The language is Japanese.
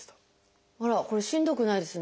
あらこれしんどくないですね。